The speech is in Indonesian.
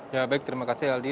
ya baik terima kasih aldi